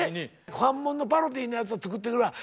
ファンモンのパロディーのやつを作ってくるわ